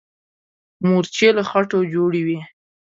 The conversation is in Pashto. مورچې له خټو جوړې وي.